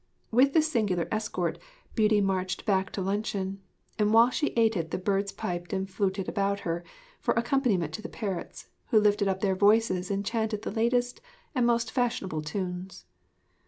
With this singular escort Beauty marched back to luncheon, and while she ate it the birds piped and fluted around her for accompaniment to the parrots, who lifted up their voices and chanted the latest and most fashionable tunes.